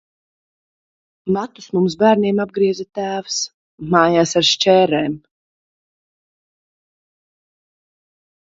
Matus mums bērniem apgrieza tēvs mājās ar šķērēm.